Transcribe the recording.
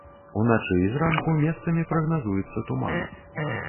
Уначы і зранку месцамі прагназуецца туман.